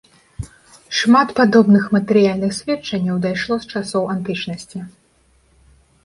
Шмат падобных матэрыяльных сведчанняў дайшло з часоў антычнасці.